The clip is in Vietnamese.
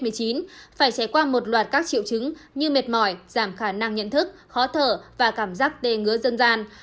phải trải qua một loạt các triệu chứng như mệt mỏi giảm khả năng nhận thức khó thở và cảm giác đề ngứa dân gian